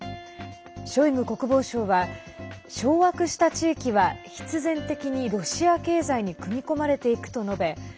ショイグ国防相は掌握した地域は必然的にロシア経済に組み込まれていくと述べ